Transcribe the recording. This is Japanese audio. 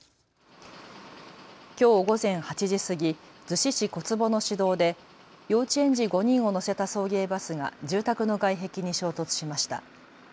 きょう午前８時過ぎ、逗子市小坪の市道で幼稚園児５人を乗せた送迎バスが住宅の外壁に衝突しました。